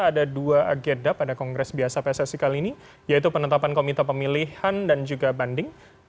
ada dua agenda pada kongres biasa pssi kali ini yaitu penetapan komite pemilihan dan juga banding